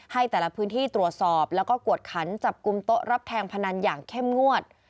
ให้แต่ละพื้นที่ตรวจสอบแล้วก็กวดขันจับกลุ่มโต๊ะรับแทงพนันอย่างเข้มงวด